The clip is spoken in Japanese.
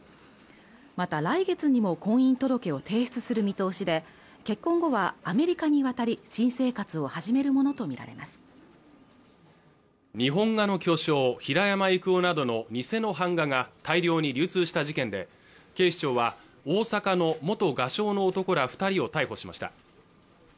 また来月にも婚姻届を提出する見通しで結婚後はアメリカに渡り新生活を始めるものと見られます日本画の巨匠・平山郁夫などの偽の版画が大量に流通した事件で警視庁は大阪の元画商の男ら二人を逮捕しました